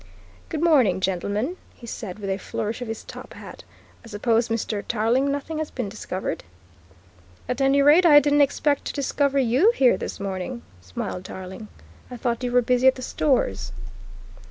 "Good morning, gentlemen," he said, with a flourish of his top hat. "I suppose, Mr. Tarling, nothing has been discovered?" "At any rate, I didn't expect to discover you here this morning!" smiled Tarling. "I thought you were busy at the Stores."